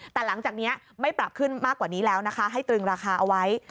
แต่หลังจากนี้ไม่ปรับขึ้นมากกว่านี้แล้วนะคะให้ตรึงราคาเอาไว้